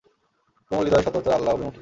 কোমল-হৃদয়, সতত আল্লাহ অভিমুখী।